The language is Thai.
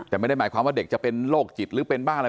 แต่ไม่ได้หมายความว่าเด็กจะเป็นโรคจิตหรือเป็นบ้างอะไร